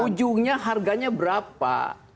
ujungnya harganya berapa